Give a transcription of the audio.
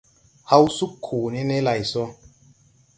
Haw sug koo ne ne lay so.